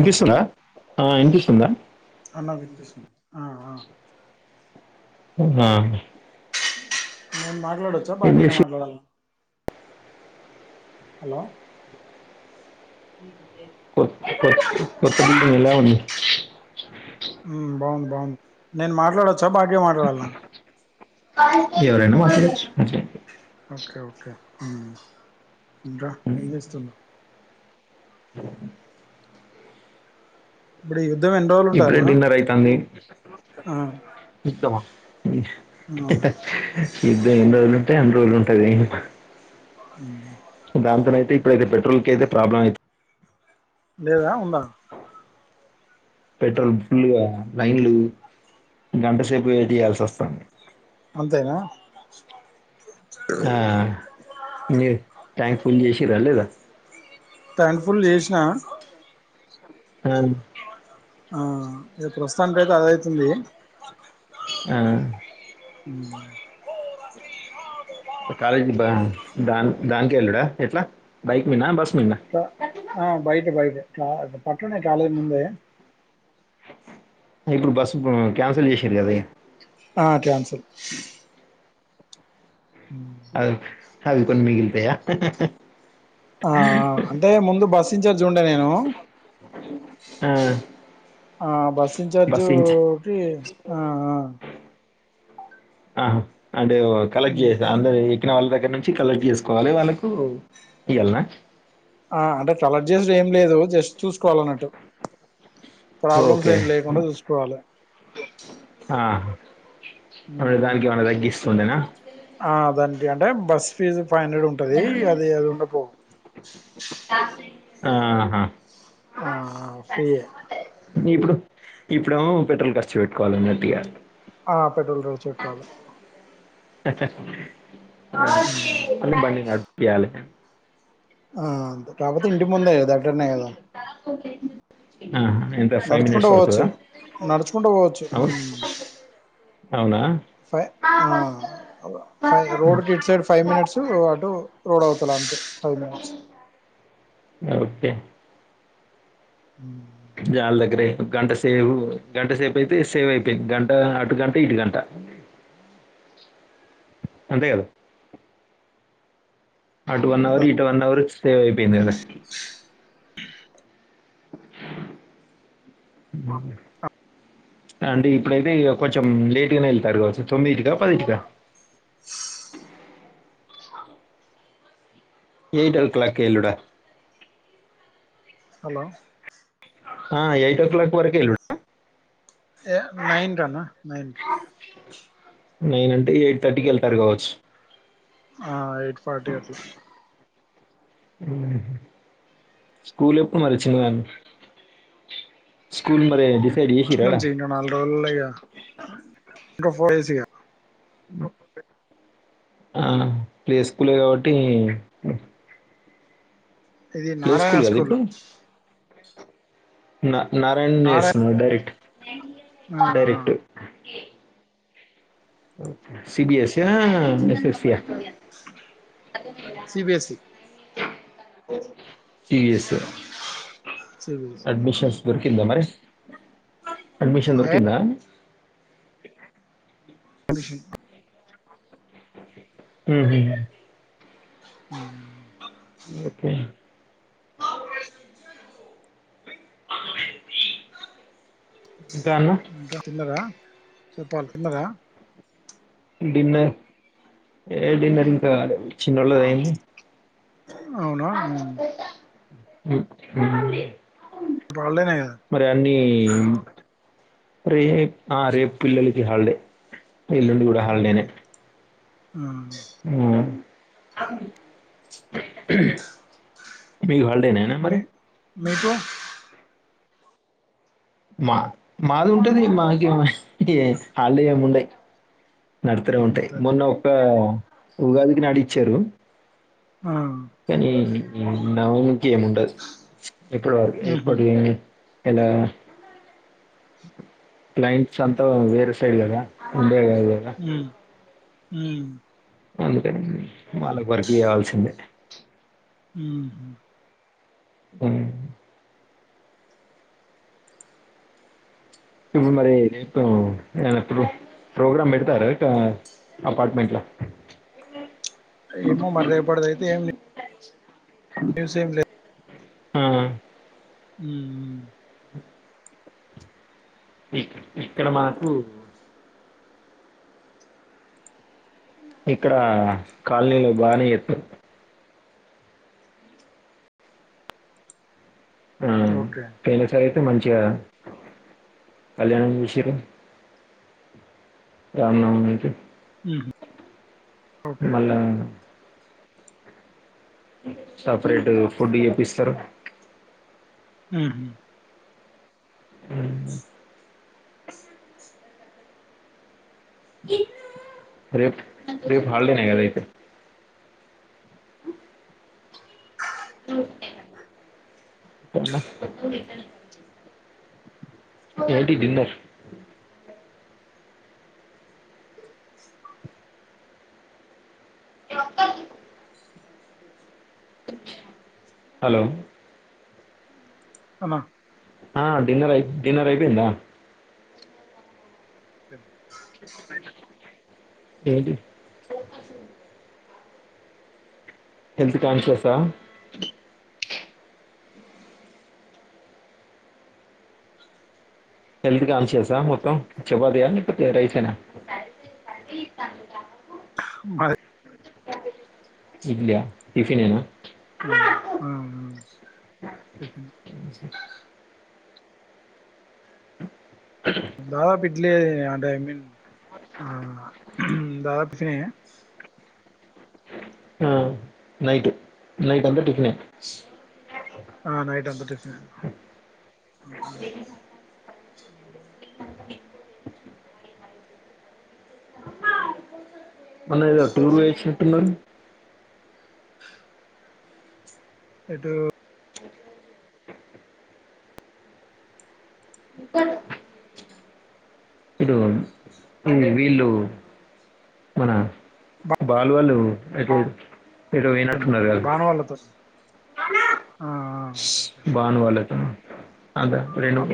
Hello ఆ ఇనిపిస్తుందా అన్న వినిపిస్తుంది ఆ ఆ ఊహ నేను మాట్లాడొచ్చా బాడినే మాట్లాడాల హలో మీరు పేరు కొత్త [inaudible] ఎలా ఉంది మ్మ్ బాగుంది బాగుంది నేను మాట్లాడొచ్చా భాగ్య మాట్లాడాల్నా ఎవరైనా మాట్లాడచ్చు ఓకే ఓకే మ్మ్ ఇంక ఏం చేస్తున్నవ్ బ్రేబ్ ఇప్పుడే డిన్నర్ అయితాంది ఆ ఇస్తమా ఆ ఇద్ద ఎన్ని రోలు అన్ని రోజులు ఉంటది ఊహు దాంతోనైతే ఇప్పుడైతే పెట్రోల్ కి అయితే ప్రాబ్లం అయిత లేదా ఉందా పెట్రోల్ ఫుల్గా లైన్లు గంటసేపు వేట్ చేయాల్సి వస్తాంది అంతేనా ఆ మీర్ ట్యాంక్ ఫుల్ చేసిర్ర లేదా ట్యాంక్ ఫుల్ చేసిన అ ఆ ఇ ప్రస్తుతానికైతే అదైతుంది ఆ ఉమ్ కాలేజ్ దాన్ దాన్ దాన్కే ఎళుడా ఎట్లా బైక్ మీనా బస్ మీనా ఆ బైట బైటే ట్ల పట్లోనే కాలే ముందే ఇప్పుడు బస్సు క్యాన్సిల్ చేసిర్రు గాది ఆ క్యాన్సల్ అవి అవి కొన్ని మిగిల్తాయా ఆ అంటే ముందు బస్సు ఇంచార్జ్ ఉండే నేను ఆ ఆ బస్ ఇంచార్జ్ బస్ ఇంచ్ కి ఆఆ ఆ అంటే కలెక్ట్ మ్ చేయొచ్చా అందరు ఎక్కిన వాళ్ళ దగ్ దగ్గర నుంచి కలెక్ట్ చేసుకోవాలి వాళ్ళకు ఇయాలనా ఆ అంటే కలెక్ట్ చేసుడు ఏం లేదు జస్ట్ చూసుకోవాల అన్నట్టు ప్రాబ్లమ్స్ ఓకే ఏమి లేకుండా చూసుకోవాలే మరే దానికి ఏమన్నా తగ్గిస్తుండేనా ఆ దానికి అంటే బస్ ఫీజు ఫైవ్ హండ్రెడ్ ఉంటుంది అది అది ఉండ పోవు ఆహా ఆ ఫ్రీయే ఇప్పుడు ఇప్పుడేమో పెట్రోల్ ఖర్చు పెట్టుకోవాల అన్నట్టుగా ఆ పెట్రోల్ ఖర్చు పెట్టుకోవాలి ఆ బండి నడిపియ్యాలి ఆ కాపోతే ఇంటి ముందే దగ్గరనే కదా ఎంత ఫైవ్ మనిట్స్ నడుచుకుంటూ పడుతదా పోవచ్చు నడుచుకుంటూ పోవచ్చు ఆ అవునా ఫైవ్ ఆ ఫైవ్ రోడ్ ఇటు సైడ్ ఫైవ్ మినిట్స్ అటు రోడ్ అవు అంతే ఫైవ్ మినిట్స్ ఓకే హామ్ జాల దగ్గరే గంట సేవు గంట సేపు అయితే సేవ్ అయిపోయింది గంట అటు గంట ఇటు గంట అంతే కదా అటు వన్ అవర్ ఇటు వన్ అవర్ సేవ్ అయిపోయింది కదా మగ అంటే ఇప్పుడైతే కొంచెం లేటుగానే వెళ్తారు కావచ్చు తొమ్మిదింటికా పదింటికా ఏయిట్ ఓ క్లాక్ ఎల్లుడా హలో ఆ ఎయిట్ ఓ క్లాక్ వరకు ఎల్లుడా ఏ నైన్ అన్నా నైన్ కి నైన్ అంటే ఎయిట్ థర్టీకి వెళ్తారు కావచ్చు ఎయిట్ ఫార్టీ అట్లా స్కూల్ ఎప్పుడు మరి చిన్నదాని స్కూల్ మరే నాలుగు రోజులల్లయిగా ఇంక ఫోర్ డేస్ ఇగ ఆ ప్లే స్కూలే కాబట్టి ఇది ప్లే నారాయణ స్కూల్ గదా స్కూలు నారాయణ వేస్తున్నారు డైరెక్ట్ డైరెక్ట్ ఓకే సీబీఎస్ యా ఎస్ఎస్సి ఆ అదే సిబిఎస్ఈ [unintelligible] సీబీఎస్ఈ ఆ సిబిఎస్ఈ అడ్మిషన్స్ దొరికిందా మరి అడ్మిషన్ దొరికిందా అడ్మిషన్ ఉహూ ఉ ఓకే అవు [unintelligible] ఇంకా తిన్నరా చెప్పాలి తిన్నరా డిన్నర్ ఏ డిన్నర్ ఇంకా కాలేదు చిన్నోళ్లది అయింది అవునా ఉమ్, ఉమ్. పర్లేదు కద మరి అన్నీ రే ఆ రేపు పిల్లలకి హల్ిడే ఎల్లుండి కూడా హాలిడేనే అ ఆ మీక్కూడా హాలిడే నానా మీ మరి మీకు మా మాది ఉంటది మాకు హాలిడే ఏమిండయి నడుతూనే ఉంటాయి అంతేనా మొన్న ఒక్క ఉగాదికి నాటిచ్చారు ఆ కానీవుకముండ ఎప్పుడు ఉహు ఎప్పుడు ఇలా క్లైంట్స్ అంతా వేరే సైడ్ కదా ఉండే వగరా హ్మ్మ్ అందుకని వాళ్ళకు వర్క్ చేయవాల్సిందే హ అ ఇప్పుడు మరి ఇ ఎ ఎప్పుడు ప్రోగ్రామ్ పెడతార అపార్ట్మెంట్లో ఏమో మర్దేపడద అయితే ఏమి మ్యూజిమ్ లే ఆ అ ఇక్క ఇక్కడ మాకు ఇక్కడ కాలనీలో భారీ ఎత్తు ఆ ఉ ఓకే పెైన సర అయితే మంచిగా కళ్యాణం విషలు రామ్ ఉ ఓకే మళ్ళా సపరేట్ ఫుడ్ చెప్పిస్తారు హ అ రేపు రేపు హాలిడే కదా అయితే ఓకే అ ఏంటి డిన్నర్ హలో అమ ఆ డిన్నర్ అయి డిన్నర్ అయిపోందా అను ఏడి హెల్త్ కాన్షియస్ హెల్త్ కాం చేసా మొత్తం చెపాతయాపోతే రైసనా ప బస్ ఇడ్లి్యా టిఫిన్ ఏనా ఆ ఇ సార్ దా పిడ్ ఇట్ అంటే ఐన్ దదాపుిన ఆ! నైట్ నైట్ అంత టిఫని ఆ నైట్ అంత టిఫిన్ మొన్న ఏదో టూర్ వేసినట్టున్నారు ఏటు ఇడోన్ మన బాలు వాళ్ళు ఎటో ఎటో పోయినటున్నారు కాద బాను వాళ్ళతో ఆ అ భాను వాళ్ళతో. అదా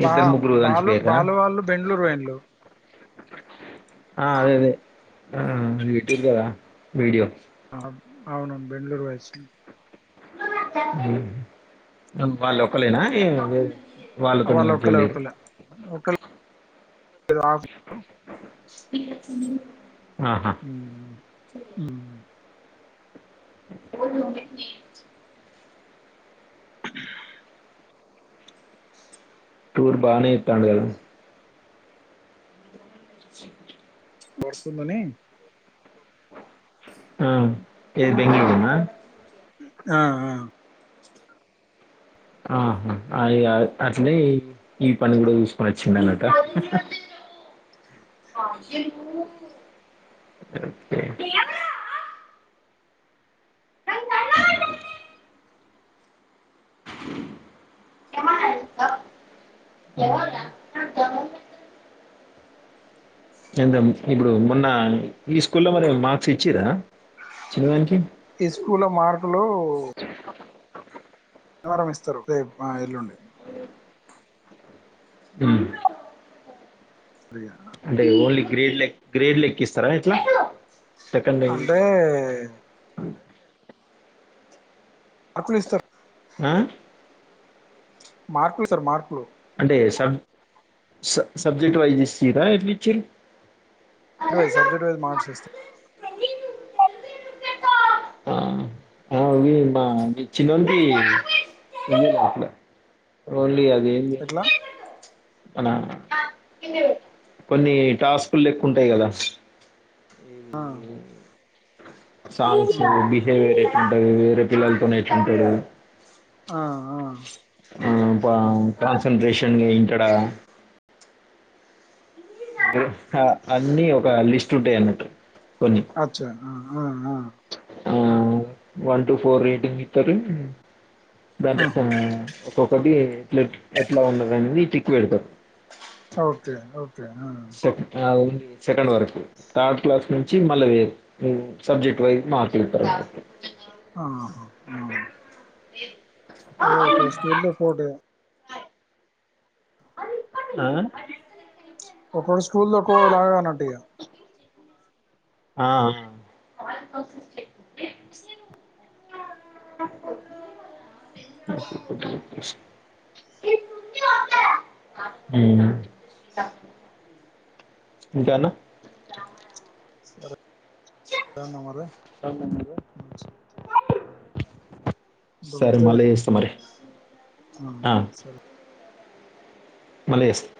బా ఇద్దరు, ముగ్గురు బాలు కలిసిపోయిర్రా? బాలు వాళ్ళు బెంగళూరు పోయిన్రు ఆ అదే అదే పెట్టిరు కదా వీడియో అవును బెంగళూరు పోయివచి వాళ్ళు ఒక్కలేనా వాళ్ళు తుని కెళ్ళి రా ఆహా ఉమ్మ్ [unintelligible] టూర్ బానే ఇతండు కదా వర్కందని ఆ ఏది బెంగళూరులోన ఆ ఆ ఆహా అ అట్నే ఈ పని కూడా చూసుకొని వచ్చింది అనట [inaudible] ఓకే ఎ ఎంత ఇప్పుడు మొన్న ఈ స్కూలో మరి మార్క్స్ ఇచ్చిరా చిన్నదానికి ఈ స్కూల మార్కులు రం ఇస్తారు రేప్ అ ఎల్లుండి ఉమ్. ఫ్రీయ అంటే ఓన్లీ గ్రేడ్ లె గ్రేడ్ లెక్కిస్తారా ఎట్లా అంటే అట్లీస్తారు ఆ మార్కులు సార్ మార్కులు అంటే సబ్ సబ్జెక్ట్ వైజ్ ఇస్థిర ఇచ్చి సబ్జెట్ వైజ్ మార్ట్స్ ఇస్తారు ఆ ఆ వి మా చిన్నోడికి ఓన్లీ అది దే ఎట్లా ల కొన్ని టాస్కులు లెక్కూ ఉంటాయి కదా ఆ సాంగ్స్ ఆ బిహేవియర్ ఎట్ ఉంటది వేరే పిల్లలతోనే ఎట్ ఉంటాడు ఆ ఆ హ్మ్ సక్సెస్ బా కాన్సంట్రేషన్ ఏ ఇంటడా అన్నీ ఒక లిస్ట్ ఉంటాయి అన్నట్టు అచ్చా అ అ అ ఆ వన్ టు ఫోర్ రేటింగ్ ఇచ్చారు దాని ఆహా ఒకొక్క ఒకటి ఎట్ల ఎట్లా ఉన్న వాణ్ణి టిక్ పెడతారు ఓకే ఓకే ఆ స ఉంది సెకండ్ వరకు థర్డ్ క్లాస్ నుంచి మళ్ళీ వేర్ సబ్జెక్ట్ వైజ్ మార్కులుతారానమాట ఆహా హ ఏ ఏ ఒక స్కూల్ కోటే ఆ ఒకో స్కూల్ ఒకోలాగానటియా ఆ [unintelligible] హ్మ్ ఇంకానా ఇంకేంటి మరి ఇంత సరే మంచిదే మళ్ళీ కదా చేస్తా మరి ఆ మళ్ళీ చేస్తా